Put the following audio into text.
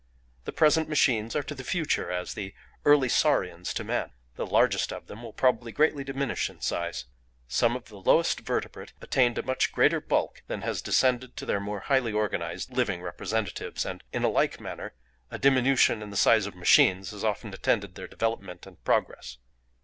The present machines are to the future as the early Saurians to man. The largest of them will probably greatly diminish in size. Some of the lowest vertebrate attained a much greater bulk than has descended to their more highly organised living representatives, and in like manner a diminution in the size of machines has often attended their development and progress.